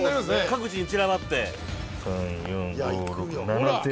各地に散らばって。